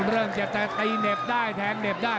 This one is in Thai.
เริ่มจะตีเหน็บได้แทงเหน็บได้